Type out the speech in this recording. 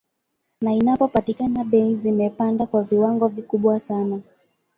Na inapopatikana bei zimepanda kwa viwango vikubwa sana